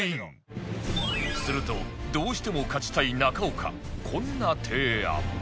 するとどうしても勝ちたい中岡こんな提案